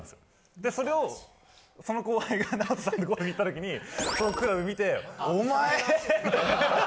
でそれをその後輩がＮＡＯＴＯさんとゴルフ行った時にそのクラブ見て「お前！」みたいな。